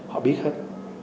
họ biết hết